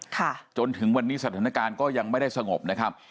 จนถึงวันนี้สถานการณ์ก็ยังไม่ได้สงบนะครับ